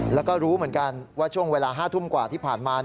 แล้วก็รู้เหมือนกันว่าช่วงเวลา๕ทุ่มกว่าที่ผ่านมา